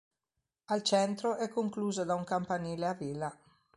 Al centro è conclusa da un campanile a vela.